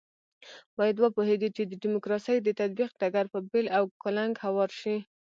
باید وپوهېږو چې د ډیموکراسۍ د تطبیق ډګر په بېل او کلنګ هوار شي.